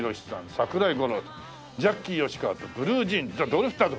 桜井五郎さんジャッキー吉川とブルー・ジーンズザ・ドリフターズ。